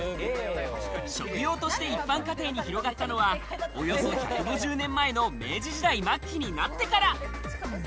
食用として一般家庭に広がったのは、およそ１５０年前の明治時代末期になってから。